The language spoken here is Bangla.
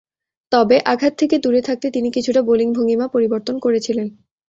তবে, আঘাত থেকে দূরে থাকতে তিনি কিছুটা বোলিং ভঙ্গীমা পরিবর্তন করেছিলেন।